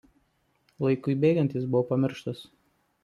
Laikui bėgant jis buvo pamirštas.